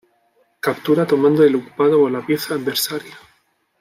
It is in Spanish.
Captura tomando el ocupado por la pieza adversaria.